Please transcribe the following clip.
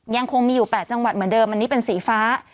ยังคงมีอยู่๘จังหวัดเหมือนเดิมอันนี้เป็นสีฟ้า